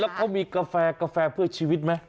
แล้วเขามีกาแฟกาแฟเพื่อชีวิตไหม